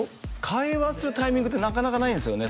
会話するタイミングってなかなかないんですよね